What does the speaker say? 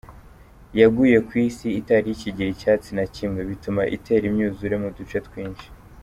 Yaguye kw'isi itarikigira icatsi na kimwe, bituma itera imyuzure mu duce twinshi.